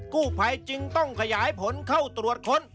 กู้ภัยจึงต้องขยายผลเข้าตรวจค้น